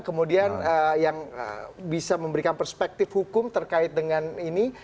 kemudian yang bisa memberikan perspektif hukum terkait dengan ini